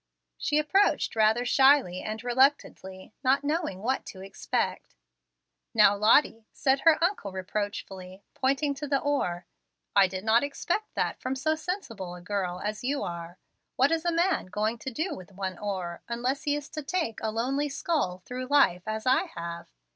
She approached rather shyly and reluctantly, not knowing what to expect. "Now, Lottie," said her uncle, reproachfully, pointing to the oar, "I did not expect that from so sensible a girl as you are. What is a man going to do with one oar, unless he is to take a lonely scull through life as I have?